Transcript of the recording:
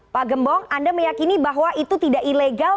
pak gembong anda meyakini bahwa itu tidak ilegal